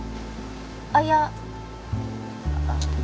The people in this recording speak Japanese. あっいや。